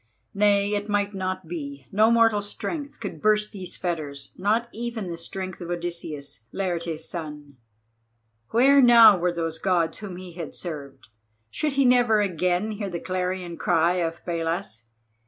Nay, it might not be, no mortal strength could burst these fetters, not even the strength of Odysseus, Laertes' son. Where now were those Gods whom he had served? Should he never again hear the clarion cry of Pallas?